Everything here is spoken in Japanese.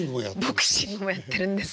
ボクシングもやってるんです。